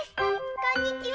こんにちは。